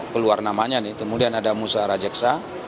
keluar namanya nih kemudian ada musa rajeksa